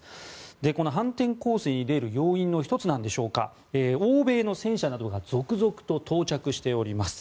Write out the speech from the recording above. この反転攻勢に出る要因の１つでしょうか欧米の戦車などが続々と到着しております。